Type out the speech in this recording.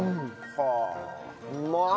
はあ。